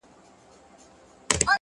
سیاه پوسي ده د مړو ورا ده ـ